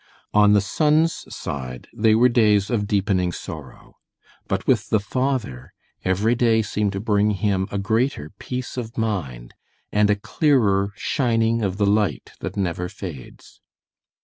On the son's side, they were days of deepening sorrow; but with the father, every day seemed to bring him a greater peace of mind and a clearer shining of the light that never fades.